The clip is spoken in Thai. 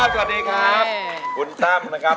คุณตั้มคะ